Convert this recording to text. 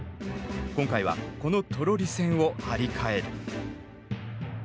今回はこのトロリ線を張り替える。